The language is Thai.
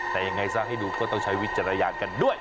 แต่ยังไงซะให้ดูก็ต้องใช้วิจารณญาณกันด้วย